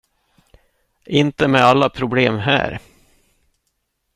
Inte med alla problem här.